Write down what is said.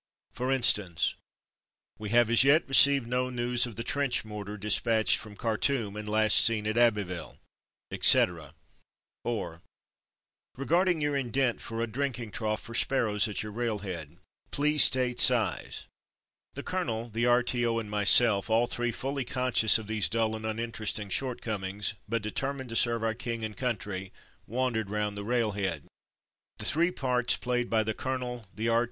For instance: "We have as yet received no news of the trench mortar dispatched from Khartoum, and last seen at Abbeville/' etc.; or "Re your indent for a drinking trough for sparrows at your railhead. Please state size. The colonel, the R.T.O. and myself, all three fully conscious of these dull and un interesting shortcomings, but determined to serve our King and country, wandered round the railhead. The three parts played by the colonel, the R.